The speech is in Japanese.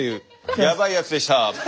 やばいやつでした。